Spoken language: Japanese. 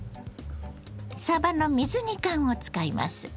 さばの水煮缶を使います。